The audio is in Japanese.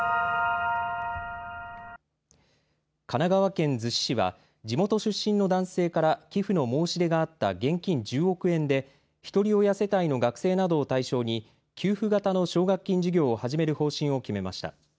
神奈川県逗子市は地元出身の男性から寄付の申し出があった現金１０億円でひとり親世帯の学生などを対象に給付型の奨学金事業を始める方針を決めました。